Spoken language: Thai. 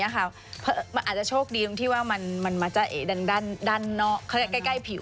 มันอาจจะโชคดีตรงที่ว่ามันมาจะดังด้านนอกใกล้ผิว